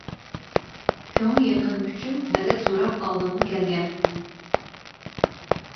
كۆڭلى يېقىن ئۈچۈن مەدەت سوراپ ئالدىمغا كەلگەن.